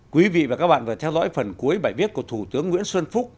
quý vị và các bạn vừa theo dõi phần cuối bài viết của thủ tướng nguyễn xuân phúc